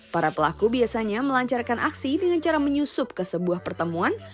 para pelaku biasanya melancarkan aksi dengan cara menyusup ke sebuah pertemuan